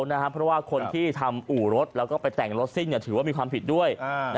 เพราะว่าคนที่ทำอู่รถแล้วก็ไปแต่งรถซิ่งถือว่ามีความผิดด้วย